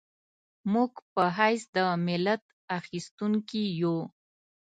موږ په حیث د ملت اخیستونکي یو.